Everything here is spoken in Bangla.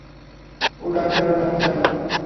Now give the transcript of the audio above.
ও ডাক্তার না-কি আবার?